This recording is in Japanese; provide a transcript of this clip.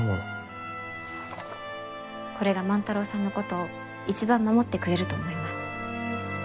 これが万太郎さんのことを一番守ってくれると思います。